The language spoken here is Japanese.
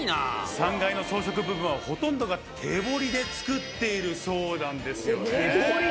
３階の装飾部分はほとんどが手彫りで作っているそうなんですよね。